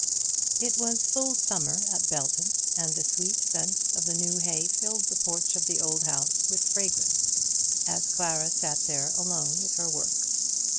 It was full summer at Belton, and the sweet scent of the new hay filled the porch of the old house with fragrance, as Clara sat there alone with her work.